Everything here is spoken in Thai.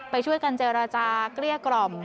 ไปช่วยกันเจรจาเกลี้ยกล่อม